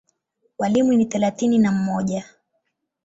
Walimu ni thelathini na mmoja.